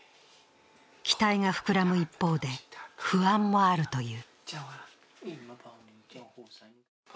期待が膨らむ一方で、不安もあるという。